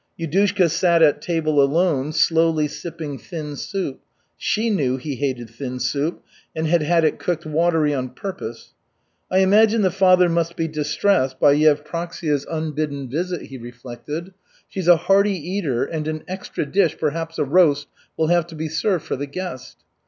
Yudushka sat at table alone slowly sipping thin soup (she knew he hated thin soup and had had it cooked watery on purpose). "I imagine the Father must be distressed by Yevpraksia's unbidden visit," he reflected. "She's a hearty eater and an extra dish, perhaps a roast, will have to be served for the guest."